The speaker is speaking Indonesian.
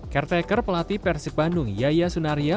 caretaker pelatih persib bandung yaya sunaria